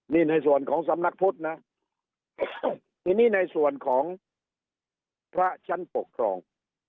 นี่ในส่วนของสำนักพุทธนะทีนี้ในส่วนของพระชั้นปกครอง